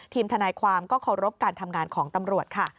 ทนายความก็เคารพการทำงานของตำรวจค่ะ